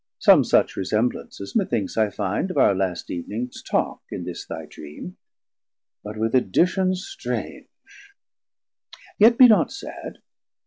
Som such resemblances methinks I find Of our last Eevnings talk, in this thy dream, But with addition strange; yet be not sad.